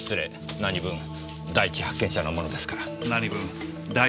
何分第一発見者の部下なもんですから。